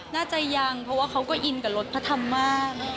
น่าจะยังเพราะว่าเขาก็อินกับรถพระธรรมมาก